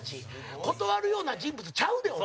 断るような人物ちゃうで、お前。